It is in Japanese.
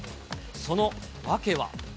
その訳は。